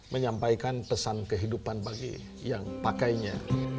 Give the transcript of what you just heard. menyampaikan pesan kehidupan bagi yang pakainya